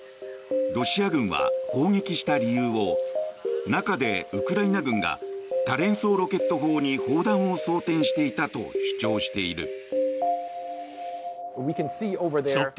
ロシア軍は砲撃した理由を中でウクライナ軍が多連装ロケット砲に砲弾を装てんしていたと主張している。